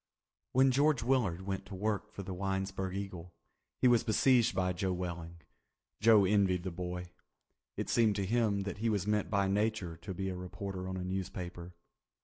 When George Willard went to work for the Winesburg Eagle he was besieged by Joe Welling. Joe envied the boy. It seemed to him that he was meant by Nature to be a reporter on a newspaper.